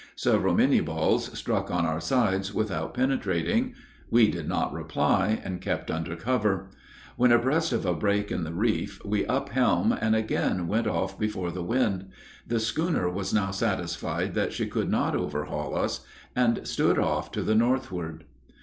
Several Minié balls struck on our sides without penetrating; we did not reply, and kept under cover. When abreast of a break in the reef, we up helm, and again went off before the wind. The schooner was now satisfied that she could not overhaul us, and stood off to the northward.